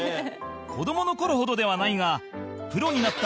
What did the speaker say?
子どもの頃ほどではないがプロになった